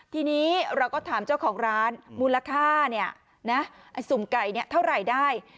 ทีนี้เราก็ถามเจ้าของร้านมูลค่าสุ่มไก่เท่าไหร่ได้